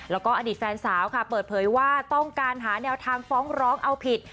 แล้วก็อดีตแฟนสาวค่ะเปิดเผยว่าต้องการหาแนวทางฟ้องร้องเอาผิด